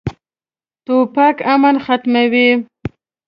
توپک امن ختموي.